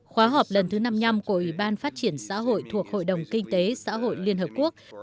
khóa họp lần thứ năm mươi năm của ủy ban phát triển xã hội thuộc hội đồng kinh tế xã hội liên hợp quốc